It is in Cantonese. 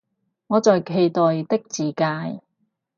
我在期待的自介